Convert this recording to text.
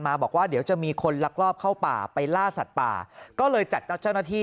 บอกว่าเดี๋ยวจะมีคนลักลอบเข้าป่าไปล่าสัตว์ป่าก็เลยจัดเจ้าหน้าที่